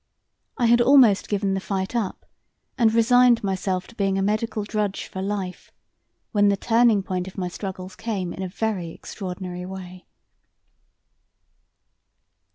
I had almost given the fight up and resigned myself to being a medical drudge for life, when the turning point of my struggles came in a very extraordinary way.